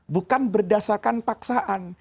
bukan berdasarkan paksaan